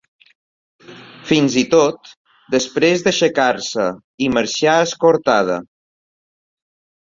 Fins i tot, després d’aixecar-se i marxar escortada.